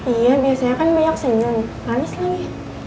iya biasanya kan banyak senyum manis lagi